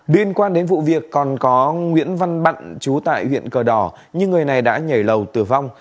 điên quan đến vụ việc còn có nguyễn văn bặn chú tại huyện cờ đỏ nhưng người này đã nhảy lầu tử vong